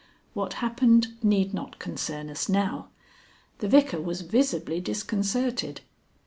What happened need not concern us now. The Vicar was visibly disconcerted.